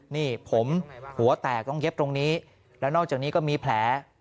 นี่ผมหัวแตกต้องเย็บตรงนี้แล้วนอกจากนี้ก็มีแผล